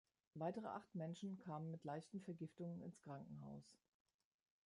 Weitere acht Menschen kamen mit leichten Vergiftungen ins Krankenhaus.